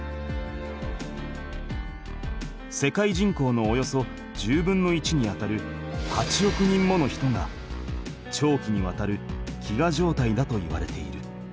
世界人口のおよそ１０分の１にあたる８億人もの人が長期にわたる飢餓状態だといわれている。